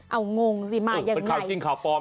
เอางงสิมายังไงโอ้เป็นข่าวจริงข่าวปลอมเลยเนี่ย